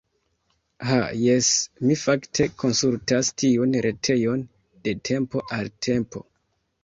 Ha jes, mi fakte konsultas tiun retejon de tempo al tempo.